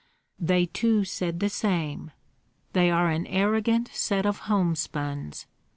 "They too said the same. They are an arrogant set of homespuns.